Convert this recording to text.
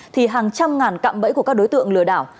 thì hàng trăm ngàn cạm bẫy của các đối tượng lừa đảo